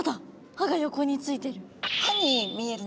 歯が横についてる。